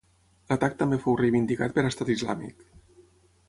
L'atac també fou reivindicat per Estat Islàmic.